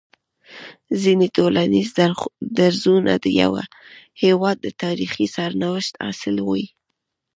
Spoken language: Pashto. ځيني ټولنيز درځونه د يوه هيواد د تاريخي سرنوشت حاصل وي